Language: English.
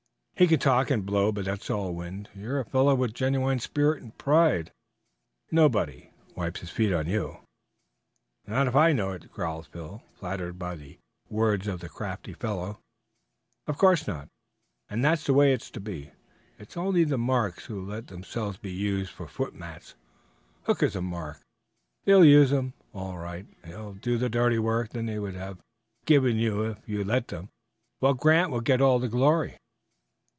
He can talk and blow, but it's all wind. You're a fellow with genuine spirit and pride; nobody wipes his feet on you." "Not if I know it," growled Phil, flattered by the words of the crafty fellow. "Of course not; and that's the way to be. It's only the marks who let themselves be used for footmats; Hooker's a mark. They'll use him, all right. He'll do the dirty work they would have given you if you'd let them, while Grant will get all the glory."